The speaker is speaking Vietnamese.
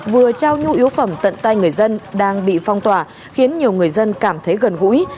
vừa trao nhu yếu phẩm tận tay người dân đang bị phong tỏa khiến nhiều người dân cảm thấy gần gũi